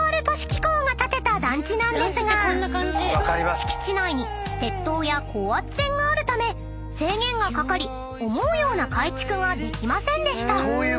［敷地内に鉄塔や高圧線があるため制限がかかり思うような改築ができませんでした］